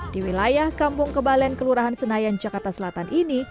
di wilayah kampung kebalen kelurahan senayan jakarta selatan ini